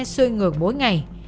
xôi ngược mỗi ngày